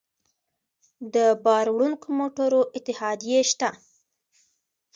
د بار وړونکو موټرو اتحادیې شته